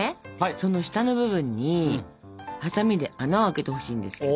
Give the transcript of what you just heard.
その下の部分にハサミで穴を開けてほしいんですけど。